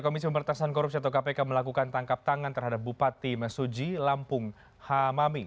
komisi pemberantasan korupsi atau kpk melakukan tangkap tangan terhadap bupati mesuji lampung hamami